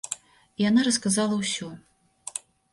І яна расказала ўсё.